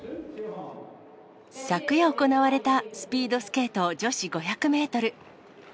昨夜行われた、スピードスケート女子５００メートル。